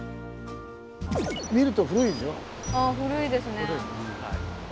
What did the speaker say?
ああ古いですね。